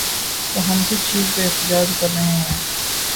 تو ہم کس چیز پہ احتجاج کر رہے ہیں؟